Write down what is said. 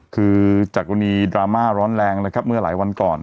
คือจากกรณีดราม่าร้อนแรงนะครับเมื่อหลายวันก่อน